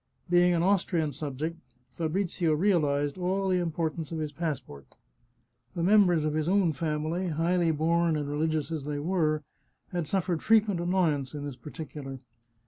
Being an Austrian sub ject, Fabrizio realized all the importance of his passport. The members of his own family, highly born and religious 6i The Chartreuse of Parma as they were, had suffered frequent annoyance in this par ticular.